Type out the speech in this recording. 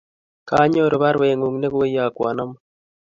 Kanyoru parweng'ung' nekoiyakwon amut